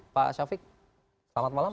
pak syafiq selamat malam